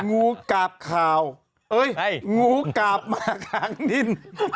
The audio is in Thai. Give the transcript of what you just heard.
งูกาบข่าวเอ้ยงูกาบมากลางดิน